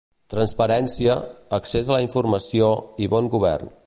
Transparència, accés a la informació i bon govern.